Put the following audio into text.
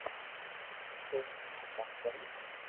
تو ئي ھڻاو ڪاو ڪرو